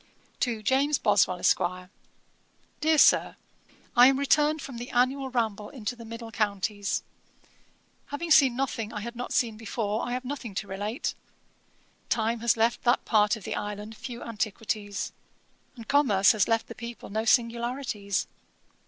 'To JAMES BOSWELL, ESQ. 'DEAR SIR, 'I am returned from the annual ramble into the middle counties. Having seen nothing I had not seen before, I have nothing to relate. Time has left that part of the island few antiquities; and commerce has left the people no singularities.